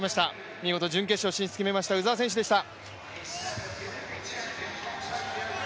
見事準決勝進出を決めました鵜澤選手でした。